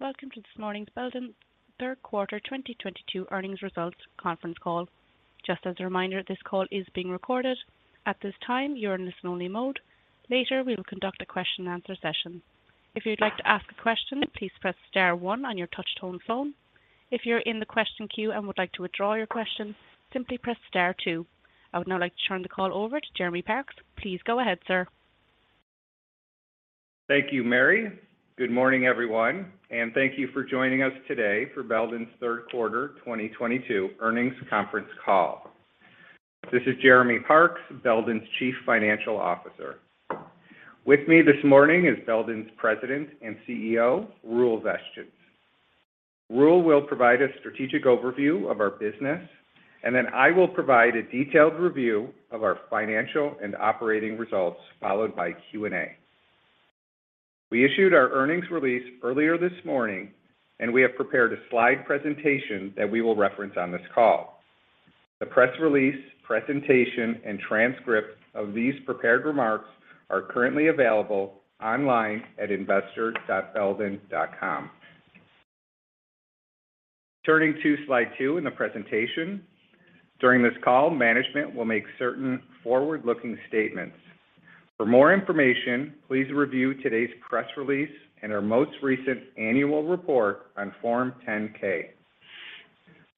Welcome to this morning's Belden third quarter 2022 earnings results conference call. Just as a reminder, this call is being recorded. At this time, you're in listen only mode. Later, we will conduct a question and answer session. If you'd like to ask a question, please press star one on your touch tone phone. If you're in the question queue and would like to withdraw your question, simply press star two. I would now like to turn the call over to Jeremy Parks. Please go ahead, sir. Thank you, Mary. Good morning, everyone, and thank you for joining us today for Belden's third quarter 2022 earnings conference call. This is Jeremy Parks, Belden's Chief Financial Officer. With me this morning is Belden's President and CEO, Roel Vestjens. Roel will provide a strategic overview of our business, and then I will provide a detailed review of our financial and operating results, followed by Q&A. We issued our earnings release earlier this morning, and we have prepared a slide presentation that we will reference on this call. The press release, presentation, and transcript of these prepared remarks are currently available online at investor.belden.com. Turning to slide two in the presentation. During this call, management will make certain forward-looking statements. For more information, please review today's press release and our most recent annual report on Form 10-K.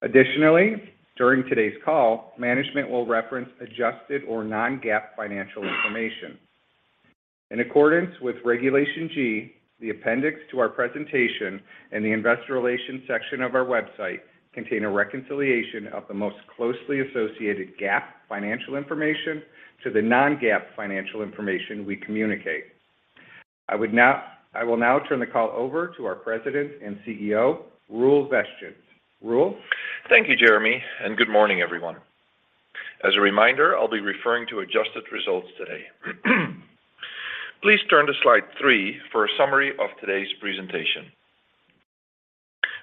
Additionally, during today's call, management will reference adjusted or non-GAAP financial information. In accordance with Regulation G, the appendix to our presentation and the investor relations section of our website contain a reconciliation of the most closely associated GAAP financial information to the non-GAAP financial information we communicate. I will now turn the call over to our President and CEO, Roel Vestjens. Roel. Thank you, Jeremy, and good morning, everyone. As a reminder, I'll be referring to adjusted results today. Please turn to slide three for a summary of today's presentation.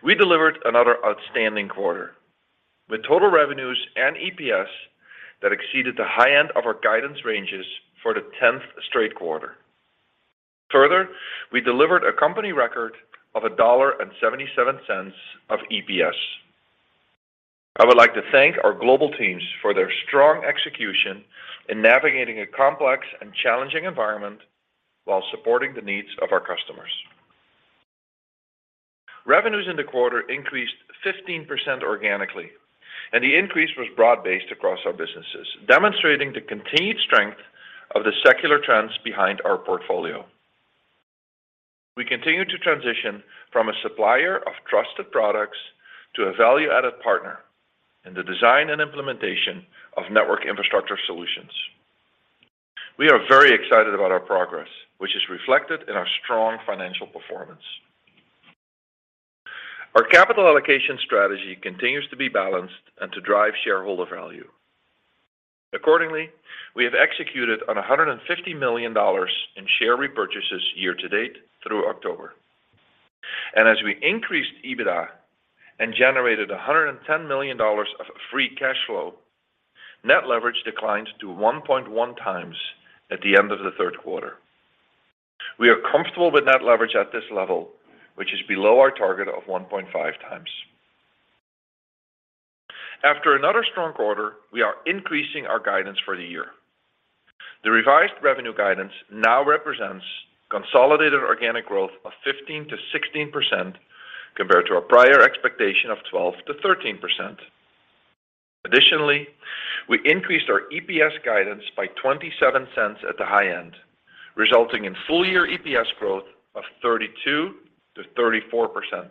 We delivered another outstanding quarter with total revenues and EPS that exceeded the high end of our guidance ranges for the 10th straight quarter. Further, we delivered a company record of $1.77 of EPS. I would like to thank our global teams for their strong execution in navigating a complex and challenging environment while supporting the needs of our customers. Revenues in the quarter increased 15% organically, and the increase was broad-based across our businesses, demonstrating the continued strength of the secular trends behind our portfolio. We continue to transition from a supplier of trusted products to a value-added partner in the design and implementation of network infrastructure solutions. We are very excited about our progress, which is reflected in our strong financial performance. Our capital allocation strategy continues to be balanced and to drive shareholder value. Accordingly, we have executed on $150 million in share repurchases year to date through October. As we increased EBITDA and generated $110 million of free cash flow, net leverage declined to 1.1x at the end of the third quarter. We are comfortable with net leverage at this level, which is below our target of 1.5x. After another strong quarter, we are increasing our guidance for the year. The revised revenue guidance now represents consolidated organic growth of 15%-16% compared to our prior expectation of 12%-13%. Additionally, we increased our EPS guidance by $0.27 at the high end, resulting in full year EPS growth of 32%-34%.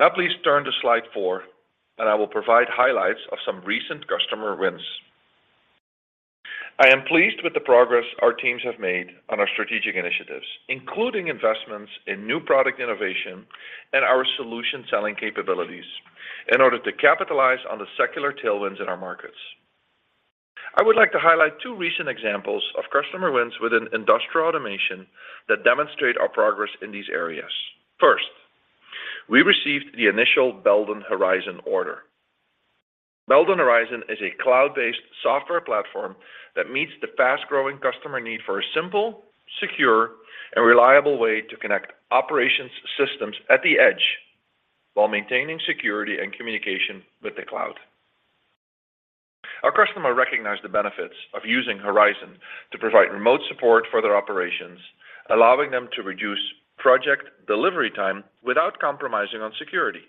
Now, please turn to slide four, and I will provide highlights of some recent customer wins. I am pleased with the progress our teams have made on our strategic initiatives, including investments in new product innovation and our solution selling capabilities in order to capitalize on the secular tailwinds in our markets. I would like to highlight two recent examples of customer wins within industrial automation that demonstrate our progress in these areas. First, we received the initial Belden Horizon order. Belden Horizon is a cloud-based software platform that meets the fast-growing customer need for a simple, secure, and reliable way to connect operations systems at the edge while maintaining security and communication with the cloud. Our customer recognized the benefits of using Horizon to provide remote support for their operations, allowing them to reduce project delivery time without compromising on security.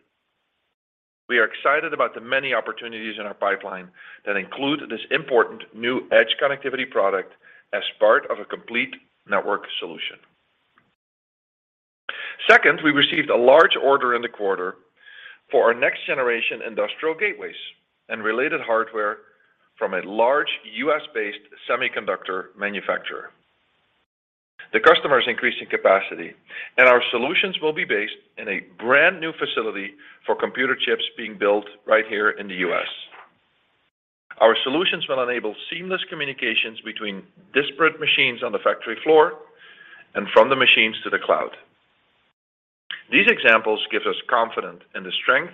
We are excited about the many opportunities in our pipeline that include this important new edge connectivity product as part of a complete network solution. Second, we received a large order in the quarter for our next-generation industrial gateways and related hardware from a large U.S.-based semiconductor manufacturer. The customer is increasing capacity, and our solutions will be based in a brand-new facility for computer chips being built right here in the U.S. Our solutions will enable seamless communications between disparate machines on the factory floor and from the machines to the cloud. These examples give us confidence in the strength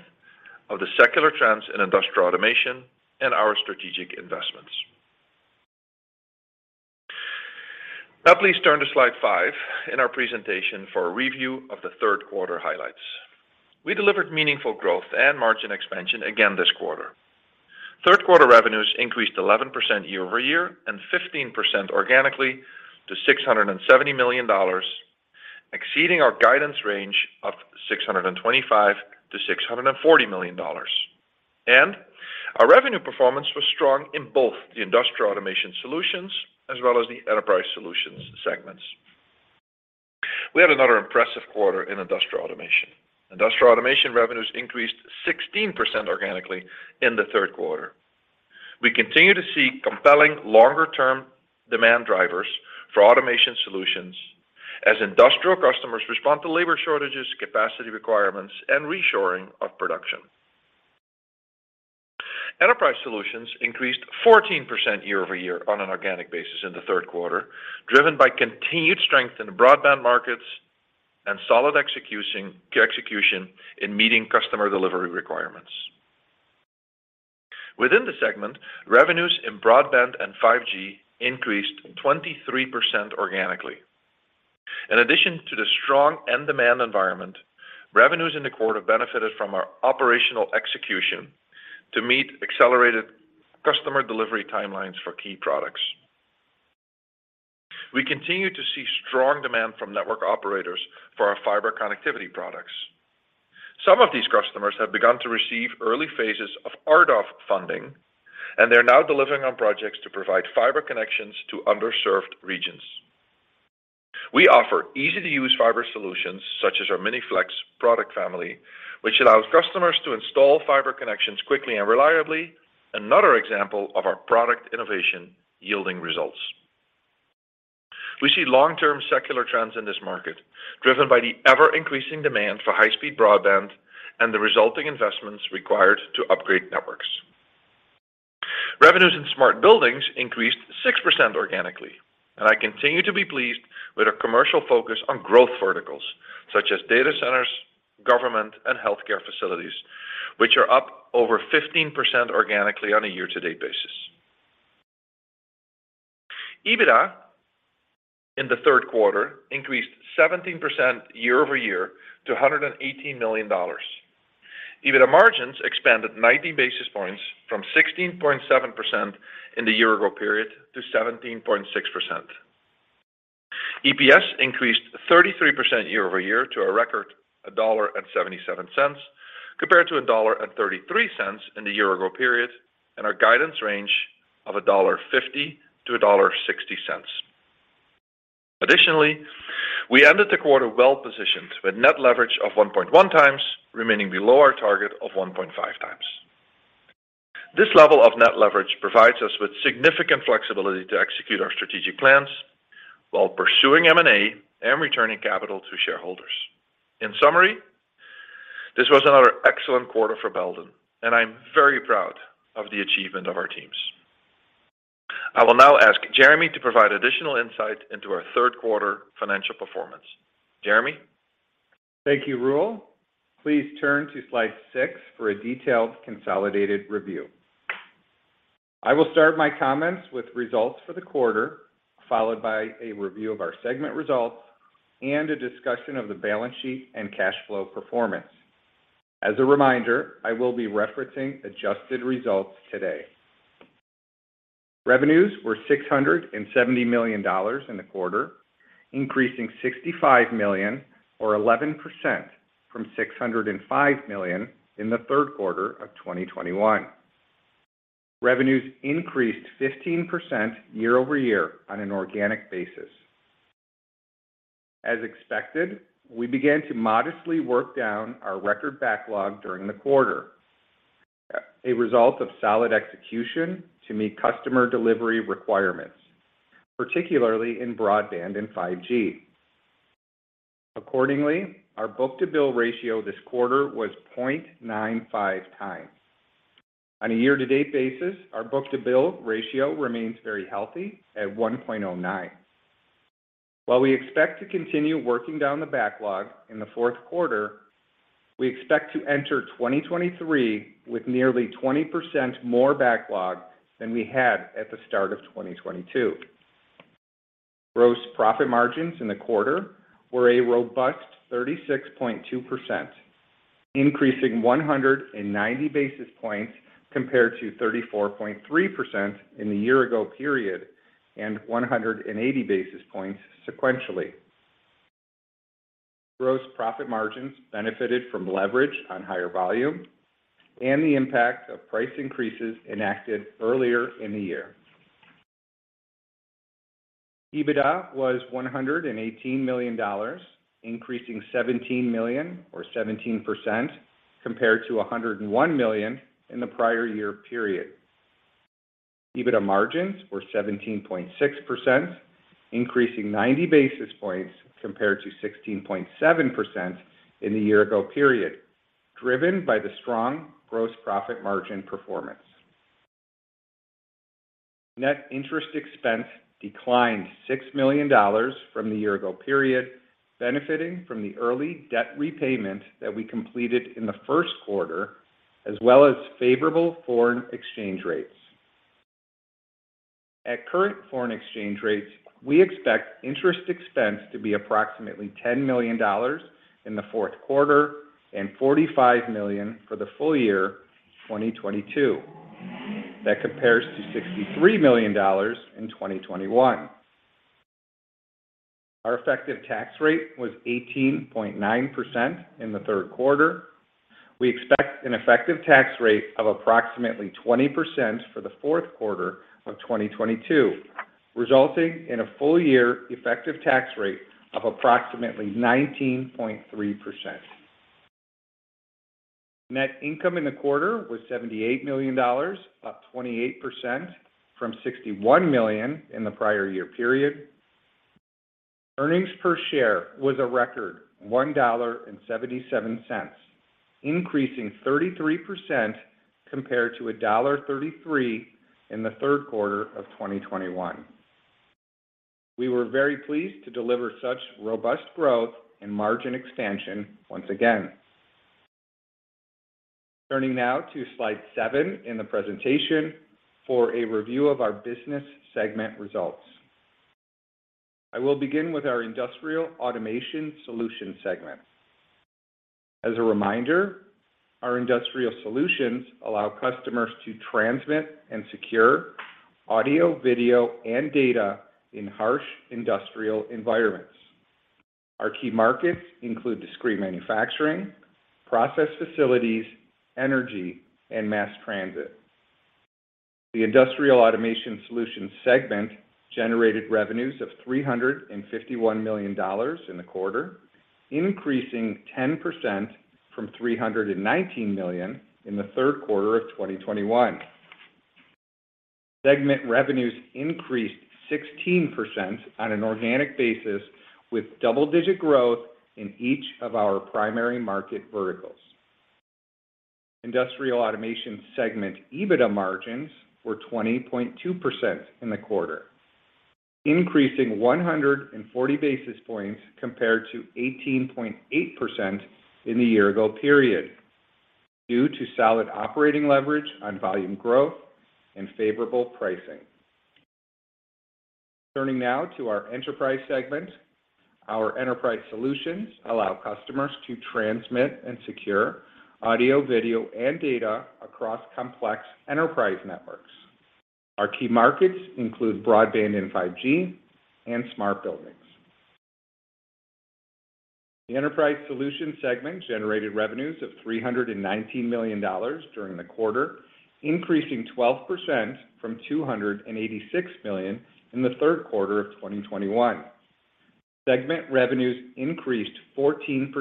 of the secular trends in industrial automation and our strategic investments. Now please turn to slide five in our presentation for a review of the third quarter highlights. We delivered meaningful growth and margin expansion again this quarter. Third quarter revenues increased 11% year-over-year and 15% organically to $670 million, exceeding our guidance range of $625 million-$640 million. Our revenue performance was strong in both the Industrial Automation Solutions as well as the Enterprise Solutions segments. We had another impressive quarter in Industrial Automation. Industrial Automation revenues increased 16% organically in the third quarter. We continue to see compelling longer-term demand drivers for automation solutions as industrial customers respond to labor shortages, capacity requirements, and reshoring of production. Enterprise Solutions increased 14% year-over-year on an organic basis in the third quarter, driven by continued strength in the broadband markets and solid execution in meeting customer delivery requirements. Within the segment, revenues in broadband and 5G increased 23% organically. In addition to the strong end demand environment, revenues in the quarter benefited from our operational execution to meet accelerated customer delivery timelines for key products. We continue to see strong demand from network operators for our fiber connectivity products. Some of these customers have begun to receive early phases of RDOF funding, and they're now delivering on projects to provide fiber connections to underserved regions. We offer easy-to-use fiber solutions such as our Miniflex product family, which allows customers to install fiber connections quickly and reliably. Another example of our product innovation yielding results. We see long-term secular trends in this market driven by the ever-increasing demand for high-speed broadband and the resulting investments required to upgrade networks. Revenues in smart buildings increased 6% organically, and I continue to be pleased with our commercial focus on growth verticals such as data centers, government, and healthcare facilities, which are up over 15% organically on a year-to-date basis. EBITDA in the third quarter increased 17% year-over-year to $118 million. EBITDA margins expanded 90 basis points from 16.7% in the year ago period to 17.6%. EPS increased 33% year-over-year to a record $1.77, compared to $1.33 in the year ago period, and our guidance range of $1.50-$1.60. Additionally, we ended the quarter well positioned with net leverage of 1.1x, remaining below our target of 1.5x. This level of net leverage provides us with significant flexibility to execute our strategic plans while pursuing M&A and returning capital to shareholders. In summary, this was another excellent quarter for Belden, and I'm very proud of the achievement of our teams. I will now ask Jeremy to provide additional insight into our third quarter financial performance. Jeremy? Thank you, Roel. Please turn to slide six for a detailed consolidated review. I will start my comments with results for the quarter, followed by a review of our segment results and a discussion of the balance sheet and cash flow performance. As a reminder, I will be referencing adjusted results today. Revenues were $670 million in the quarter, increasing $65 million or 11% from $605 million in the third quarter of 2021. Revenues increased 15% year-over-year on an organic basis. As expected, we began to modestly work down our record backlog during the quarter, a result of solid execution to meet customer delivery requirements, particularly in broadband and 5G. Accordingly, our book-to-bill ratio this quarter was 0.95x. On a year-to-date basis, our book-to-bill ratio remains very healthy at 1.09. While we expect to continue working down the backlog in the fourth quarter, we expect to enter 2023 with nearly 20% more backlog than we had at the start of 2022. Gross profit margins in the quarter were a robust 36.2%, increasing 190 basis points compared to 34.3% in the year ago period, and 180 basis points sequentially. Gross profit margins benefited from leverage on higher volume and the impact of price increases enacted earlier in the year. EBITDA was $118 million, increasing $17 million or 17% compared to $101 million in the prior year period. EBITDA margins were 17.6%, increasing 90 basis points compared to 16.7% in the year ago period, driven by the strong gross profit margin performance. Net interest expense declined $6 million from the year ago period, benefiting from the early debt repayment that we completed in the first quarter, as well as favorable foreign exchange rates. At current foreign exchange rates, we expect interest expense to be approximately $10 million in the fourth quarter and $45 million for the full year 2022. That compares to $63 million in 2021. Our effective tax rate was 18.9% in the third quarter. We expect an effective tax rate of approximately 20% for the fourth quarter of 2022, resulting in a full year effective tax rate of approximately 19.3%. Net income in the quarter was $78 million, up 28% from $61 million in the prior year period. Earnings per share was a record $1.77, increasing 33% compared to $1.33 in the third quarter of 2021. We were very pleased to deliver such robust growth and margin expansion once again. Turning now to slide seven in the presentation for a review of our business segment results. I will begin with our Industrial Automation Solutions segment. As a reminder, our industrial solutions allow customers to transmit and secure audio, video, and data in harsh industrial environments. Our key markets include discrete manufacturing, process facilities, energy, and mass transit. The Industrial Automation Solutions segment generated revenues of $351 million in the quarter, increasing 10% from $319 million in the third quarter of 2021. Segment revenues increased 16% on an organic basis with double-digit growth in each of our primary market verticals. Industrial Automation segment EBITDA margins were 20.2% in the quarter, increasing 140 basis points compared to 18.8% in the year-ago period due to solid operating leverage on volume growth and favorable pricing. Turning now to our Enterprise Solutions segment. Our Enterprise Solutions allow customers to transmit and secure audio, video, and data across complex enterprise networks. Our key markets include broadband and 5G and smart buildings. The Enterprise Solutions segment generated revenues of $319 million during the quarter, increasing 12% from $286 million in the third quarter of 2021. Segment revenues increased 14%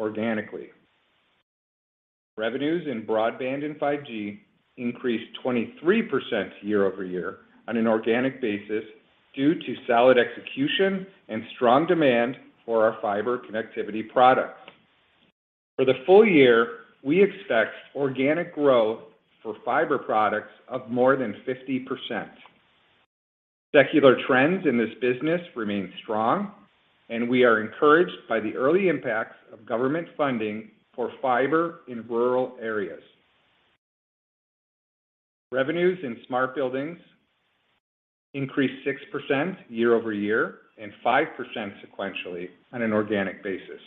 organically. Revenues in broadband and 5G increased 23% year-over-year on an organic basis due to solid execution and strong demand for our fiber connectivity products. For the full year, we expect organic growth for fiber products of more than 50%. Secular trends in this business remain strong, and we are encouraged by the early impacts of government funding for fiber in rural areas. Revenues in smart buildings increased 6% year-over-year and 5% sequentially on an organic basis.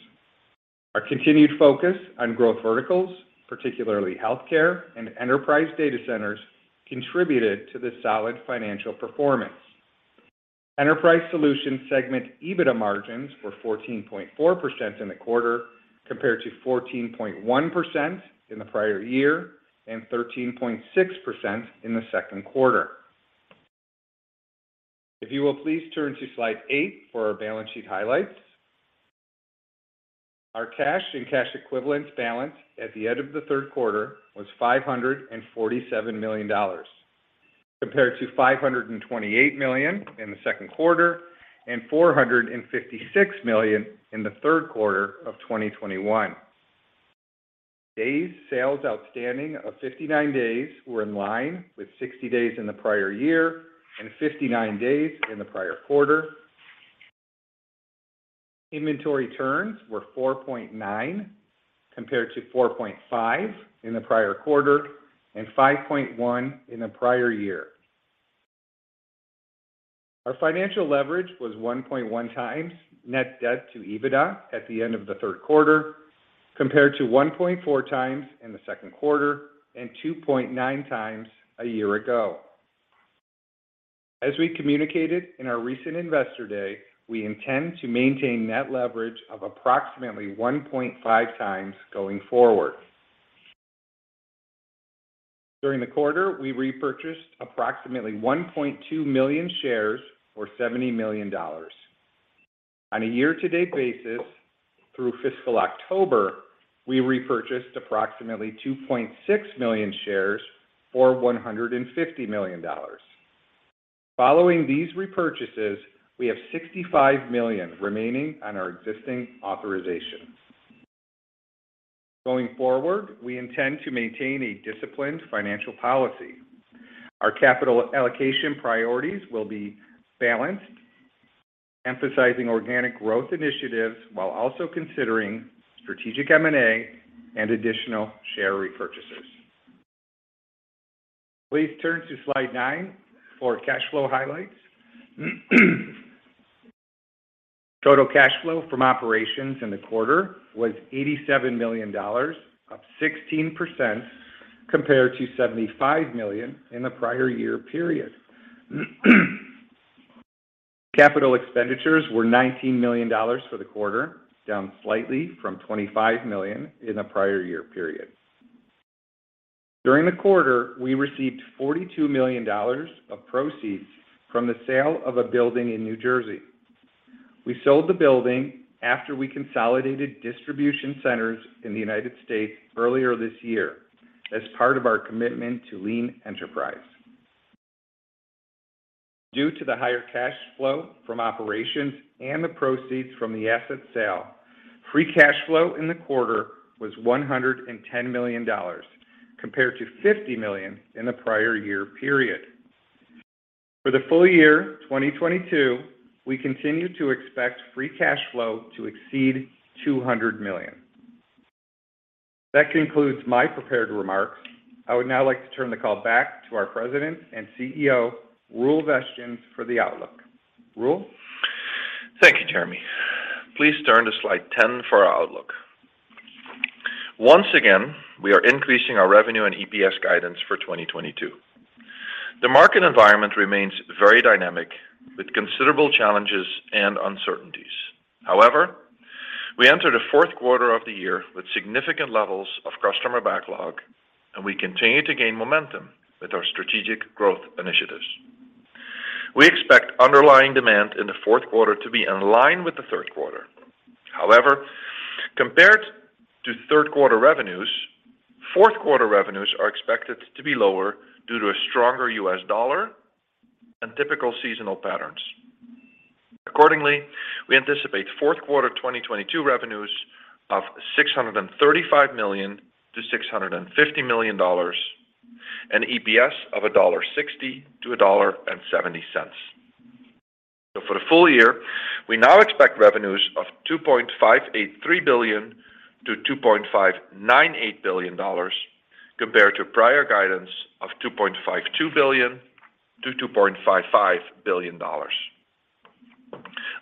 Our continued focus on growth verticals, particularly healthcare and enterprise data centers, contributed to the solid financial performance. Enterprise Solutions segment EBITDA margins were 14.4% in the quarter, compared to 14.1% in the prior year and 13.6% in the second quarter. If you will please turn to slide eight for our balance sheet highlights. Our cash and cash equivalents balance at the end of the third quarter was $547 million, compared to $528 million in the second quarter and $456 million in the third quarter of 2021. Days sales outstanding of 59 days were in line with 60 days in the prior year and 59 days in the prior quarter. Inventory turns were 4.9x, compared to 4.5x in the prior quarter and 5.1x in the prior year. Our financial leverage was 1.1x net debt to EBITDA at the end of the third quarter, compared to 1.4x in the second quarter and 2.9x a year ago. As we communicated in our recent Investor Day, we intend to maintain net leverage of approximately 1.5x going forward. During the quarter, we repurchased approximately 1.2 million shares for $70 million. On a year-to-date basis through fiscal October, we repurchased approximately 2.6 million shares for $150 million. Following these repurchases, we have $65 million remaining on our existing authorization. Going forward, we intend to maintain a disciplined financial policy. Our capital allocation priorities will be balanced, emphasizing organic growth initiatives while also considering strategic M&A and additional share repurchases. Please turn to slide nine for cash flow highlights. Total cash flow from operations in the quarter was $87 million, up 16% compared to $75 million in the prior year period. Capital expenditures were $19 million for the quarter, down slightly from $25 million in the prior year period. During the quarter, we received $42 million of proceeds from the sale of a building in New Jersey. We sold the building after we consolidated distribution centers in the United States earlier this year as part of our commitment to lean enterprise. Due to the higher cash flow from operations and the proceeds from the asset sale, free cash flow in the quarter was $110 million compared to $50 million in the prior year period. For the full year 2022, we continue to expect free cash flow to exceed $200 million. That concludes my prepared remarks. I would now like to turn the call back to our President and CEO, Roel Vestjens, for the outlook. Roel? Thank you, Jeremy. Please turn to slide 10 for our outlook. Once again, we are increasing our revenue and EPS guidance for 2022. The market environment remains very dynamic, with considerable challenges and uncertainties. However, we entered the fourth quarter of the year with significant levels of customer backlog, and we continue to gain momentum with our strategic growth initiatives. We expect underlying demand in the fourth quarter to be in line with the third quarter. However, compared to third quarter revenues, fourth quarter revenues are expected to be lower due to a stronger U.S. dollar and typical seasonal patterns. Accordingly, we anticipate fourth quarter 2022 revenues of $635 million-$650 million and EPS of $1.60-$1.70. For the full year, we now expect revenues of $2.583 billion-$2.598 billion compared to prior guidance of $2.52 billion-$2.55 billion.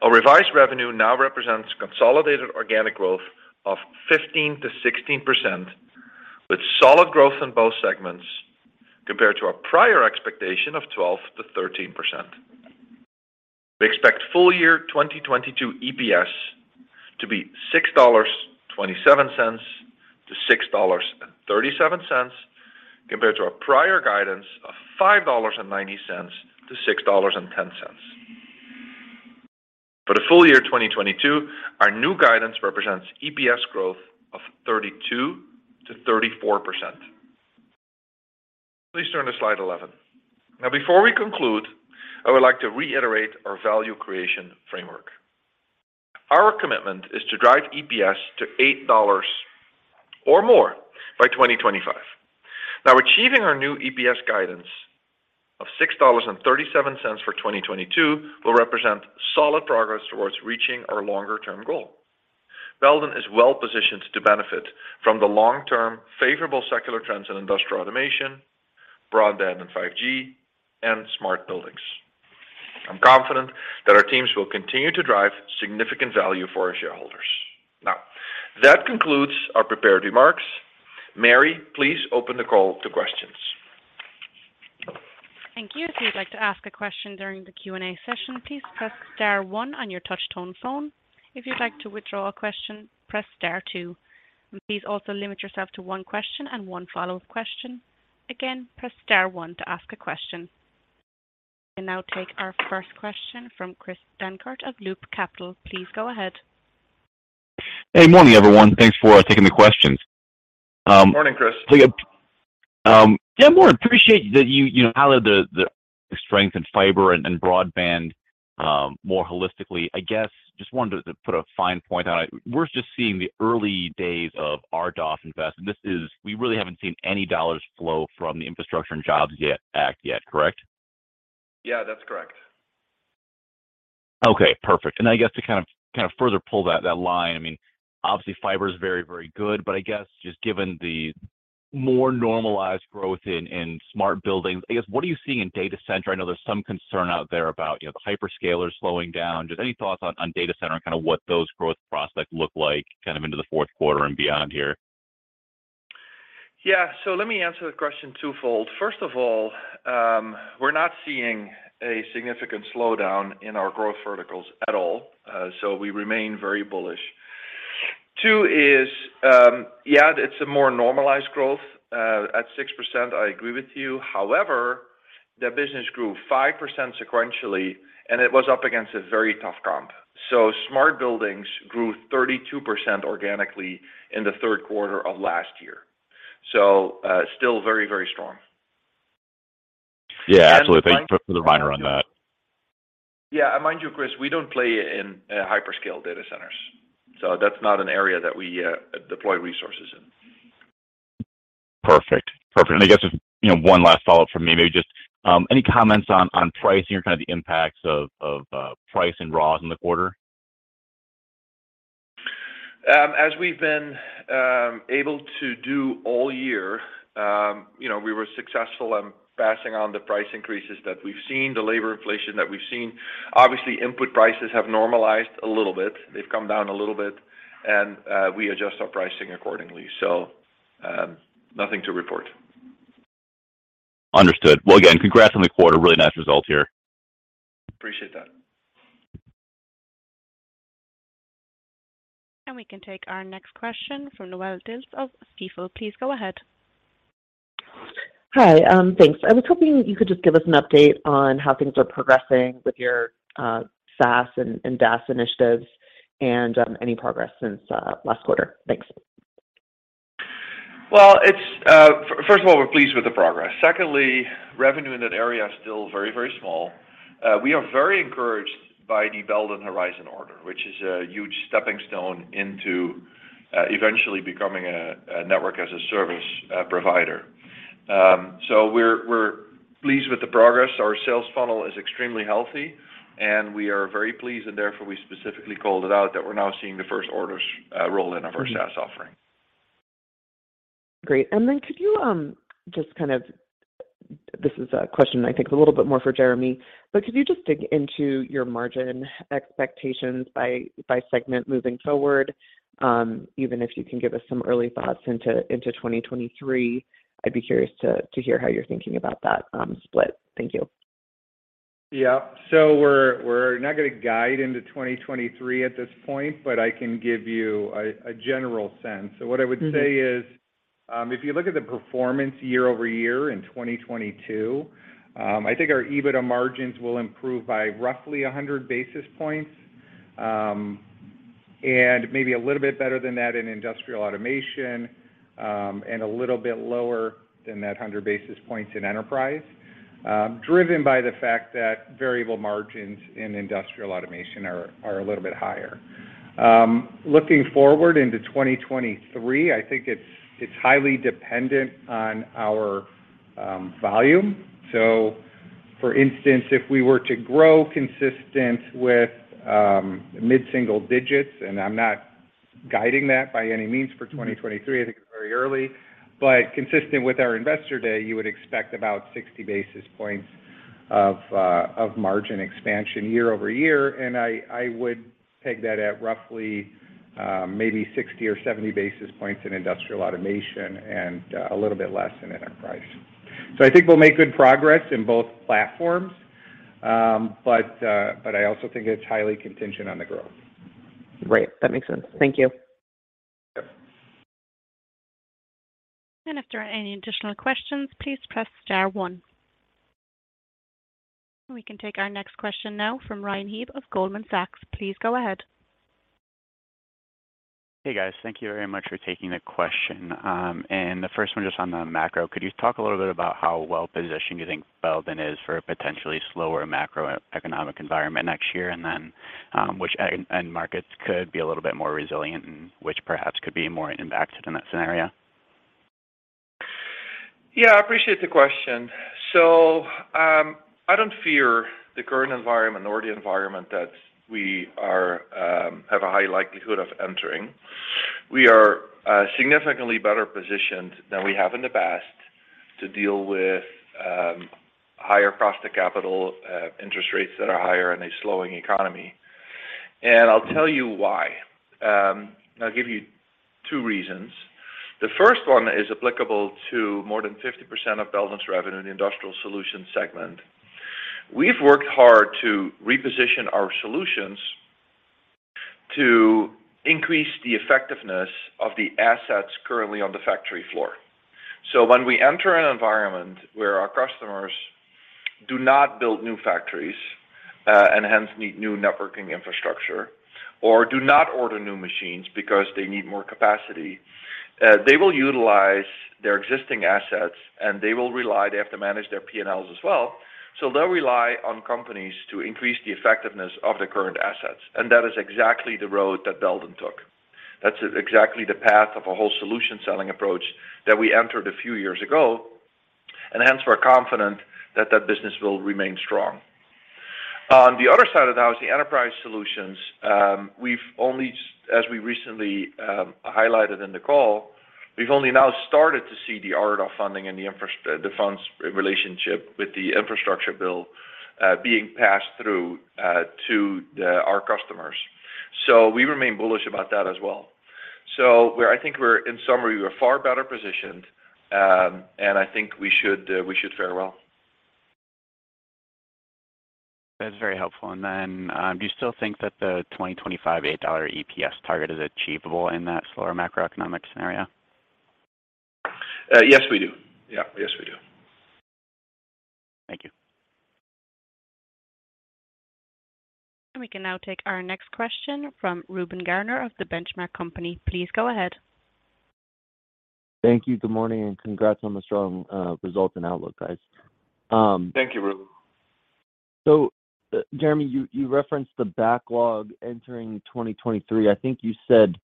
Our revised revenue now represents consolidated organic growth of 15%-16% with solid growth in both segments compared to our prior expectation of 12%-13%. We expect full year 2022 EPS to be $6.27-$6.37 compared to our prior guidance of $5.90-$6.10. For the full year 2022, our new guidance represents EPS growth of 32%-34%. Please turn to slide 11. Now, before we conclude, I would like to reiterate our value creation framework. Our commitment is to drive EPS to $8 or more by 2025. Now, achieving our new EPS guidance of $6.37 for 2022 will represent solid progress towards reaching our longer-term goal. Belden is well-positioned to benefit from the long-term favorable secular trends in industrial automation, broadband and 5G, and smart buildings. I'm confident that our teams will continue to drive significant value for our shareholders. Now, that concludes our prepared remarks. Mary, please open the call to questions. Thank you. If you'd like to ask a question during the Q&A session, please press star one on your touch tone phone. If you'd like to withdraw a question, press star two. Please also limit yourself to one question and one follow-up question. Again, press star one to ask a question. We'll now take our first question from Chris Dankert of Loop Capital. Please go ahead. Hey, morning, everyone. Thanks for taking the questions. Morning, Chris. Yeah, Roel, appreciate that you highlighted the strength in fiber and broadband more holistically. I guess just wanted to put a fine point on it. We're just seeing the early days of RDOF investment, and we really haven't seen any dollars flow from the Infrastructure Investment and Jobs Act yet, correct? Yeah, that's correct. Okay, perfect. I guess to kind of further pull that line. I mean, obviously fiber is very, very good, but I guess just given the more normalized growth in smart buildings, I guess, what are you seeing in data center? I know there's some concern out there about, you know, the hyperscalers slowing down. Just any thoughts on data center and kinda what those growth prospects look like kind of into the fourth quarter and beyond here? Yeah. Let me answer the question twofold. First of all, we're not seeing a significant slowdown in our growth verticals at all, so we remain very bullish. Two is, yeah, it's a more normalized growth at 6%, I agree with you. However, the business grew 5% sequentially, and it was up against a very tough comp. Smart buildings grew 32% organically in the third quarter of last year. Still very, very strong. Yeah, absolutely. Thank you for the reminder on that. Yeah. Mind you, Chris, we don't play in hyperscale data centers, so that's not an area that we deploy resources in. Perfect. I guess just, you know, one last follow-up from me. Maybe just, any comments on pricing or kind of the impacts of price and raws in the quarter? As we've been able to do all year, you know, we were successful in passing on the price increases that we've seen, the labor inflation that we've seen. Obviously, input prices have normalized a little bit. They've come down a little bit. We adjust our pricing accordingly. Nothing to report. Understood. Well, again, congrats on the quarter. Really nice results here. Appreciate that. We can take our next question from Noelle Dilts of Stifel. Please go ahead. Hi. Thanks. I was hoping you could just give us an update on how things are progressing with your SaaS and DaaS initiatives and any progress since last quarter? Thanks. First of all, we're pleased with the progress. Secondly, revenue in that area is still very, very small. We are very encouraged by the Belden Horizon order, which is a huge stepping stone into eventually becoming a network as a service provider. We're pleased with the progress. Our sales funnel is extremely healthy, and we are very pleased, and therefore we specifically called it out that we're now seeing the first orders roll in of our SaaS offering. Great. This is a question I think is a little bit more for Jeremy. Could you just dig into your margin expectations by segment moving forward? Even if you can give us some early thoughts into 2023, I'd be curious to hear how you're thinking about that split. Thank you. Yeah. We're not gonna guide into 2023 at this point, but I can give you a general sense. What I would say is, if you look at the performance year-over-year in 2022, I think our EBITDA margins will improve by roughly 100 basis points. And maybe a little bit better than that in industrial automation, and a little bit lower than that 100 basis points in enterprise, driven by the fact that variable margins in industrial automation are a little bit higher. Looking forward into 2023, I think it's highly dependent on our volume. For instance, if we were to grow consistent with mid-single digits, and I'm not guiding that by any means for 2023, I think it's very early. Consistent with our Investor Day, you would expect about 60 basis points of margin expansion year-over-year, and I would peg that at roughly maybe 60 basis points or 70 basis points in Industrial Automation and a little bit less in Enterprise. I think we'll make good progress in both platforms. I also think it's highly contingent on the growth. Great. That makes sense. Thank you. Yep. If there are any additional questions, please press star one. We can take our next question now from Ryan Heeb of Goldman Sachs. Please go ahead. Hey, guys. Thank you very much for taking the question. The first one just on the macro. Could you talk a little bit about how well-positioned you think Belden is for a potentially slower macroeconomic environment next year? Then, which end markets could be a little bit more resilient and which perhaps could be more impacted in that scenario? Yeah, I appreciate the question. I don't fear the current environment nor the environment that we have a high likelihood of entering. We are significantly better positioned than we have in the past to deal with higher cost of capital, interest rates that are higher in a slowing economy. I'll tell you why. I'll give you two reasons. The first one is applicable to more than 50% of Belden's revenue in the Industrial Solutions segment. We've worked hard to reposition our solutions to increase the effectiveness of the assets currently on the factory floor. When we enter an environment where our customers do not build new factories and hence need new networking infrastructure or do not order new machines because they need more capacity, they will utilize their existing assets, and they have to manage their P&Ls as well, so they'll rely on companies to increase the effectiveness of the current assets. That is exactly the road that Belden took. That's exactly the path of a whole solution selling approach that we entered a few years ago, and hence we're confident that that business will remain strong. On the other side of the house, the Enterprise Solutions, as we recently highlighted in the call, we've only now started to see the ARPA funding and the funds relationship with the infrastructure bill being passed through to our customers. We remain bullish about that as well. I think we're far better positioned, and I think we should fare well. That's very helpful. Do you still think that the 2025 $8 EPS target is achievable in that slower macroeconomic scenario? Yes, we do. Yeah. Yes, we do. Thank you. We can now take our next question from Reuben Garner of The Benchmark Company. Please go ahead. Thank you. Good morning, and congrats on the strong result and outlook, guys. Thank you, Reuben. Jeremy, you referenced the backlog entering 2023. I think you said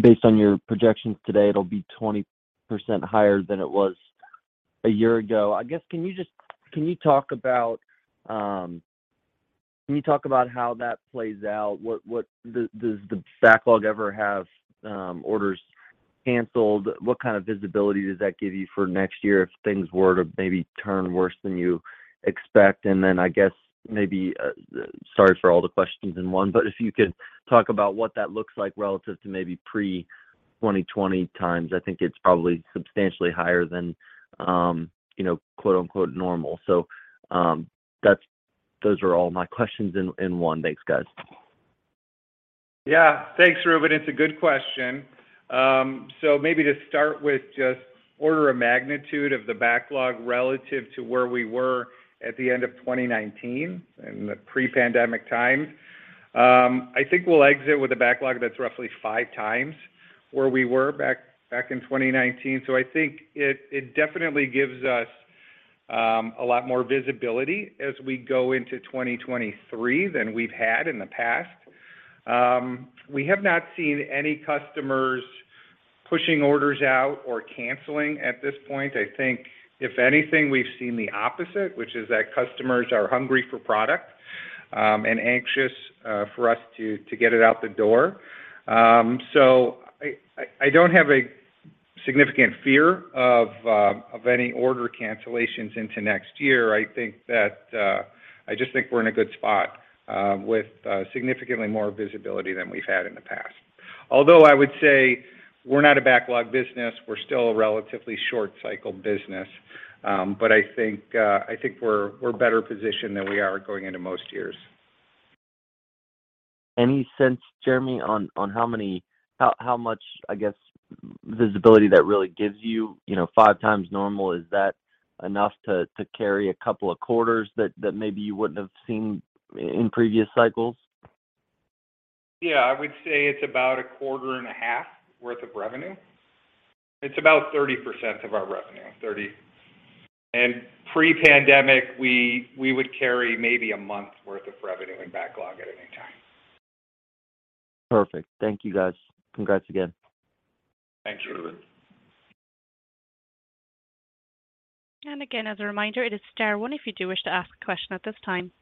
based on your projections today, it'll be 20% higher than it was a year ago. I guess can you talk about how that plays out? What does the backlog ever have orders canceled? What kind of visibility does that give you for next year if things were to maybe turn worse than you expect? Then I guess maybe sorry for all the questions in one, but if you could talk about what that looks like relative to maybe pre-2020 times. I think it's probably substantially higher than you know, quote-unquote, normal. Those are all my questions in one. Thanks, guys. Yeah. Thanks, Reuben. It's a good question. Maybe to start with just order of magnitude of the backlog relative to where we were at the end of 2019 in the pre-pandemic times. I think we'll exit with a backlog that's roughly 5x where we were back in 2019. I think it definitely gives us a lot more visibility as we go into 2023 than we've had in the past. We have not seen any customers pushing orders out or canceling at this point. I think if anything, we've seen the opposite, which is that customers are hungry for product and anxious for us to get it out the door. I don't have a significant fear of any order cancellations into next year. I think that, I just think we're in a good spot, with significantly more visibility than we've had in the past. Although I would say we're not a backlog business, we're still a relatively short cycle business. I think we're better positioned than we are going into most years. Any sense, Jeremy, on how much, I guess, visibility that really gives you? You know, 5x normal, is that enough to carry a couple of quarters that maybe you wouldn't have seen in previous cycles? Yeah. I would say it's about a quarter and a half worth of revenue. It's about 30% of our revenue. 30%. Pre-pandemic, we would carry maybe a month's worth of revenue in backlog at any time. Perfect. Thank you, guys. Congrats again. Thanks, Reuben. Again, as a reminder, it is star one if you do wish to ask a question at this time.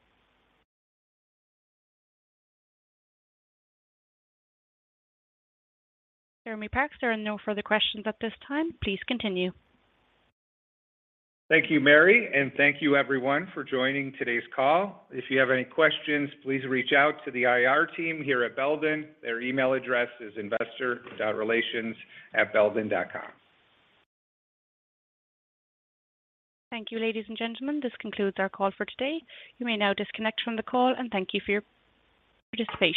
Jeremy Parks, there are no further questions at this time. Please continue. Thank you, Mary, and thank you everyone for joining today's call. If you have any questions, please reach out to the IR team here at Belden. Their email address is investor.relations@belden.com. Thank you, ladies and gentlemen. This concludes our call for today. You may now disconnect from the call, and thank you for your participation.